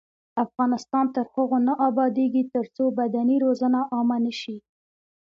افغانستان تر هغو نه ابادیږي، ترڅو بدني روزنه عامه نشي.